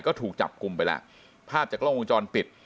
ก็ถูกจับกลุ่มไปแล้วภาพจากกล้องวงจรปิด